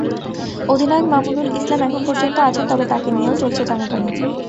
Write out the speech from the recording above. অধিনায়ক মামুনুল ইসলাম এখন পর্যন্ত আছেন, তবে তাঁকে নিয়েও চলছে টানাটানি।